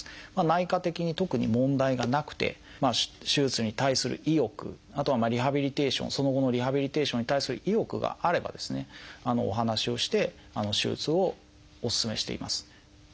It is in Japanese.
内科的に特に問題がなくて手術に対する意欲あとはリハビリテーションその後のリハビリテーションに対する意欲があればですねお話をして手術をお勧めしています。